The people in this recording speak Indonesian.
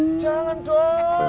eh jangan dong